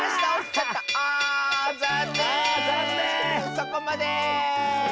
そこまで！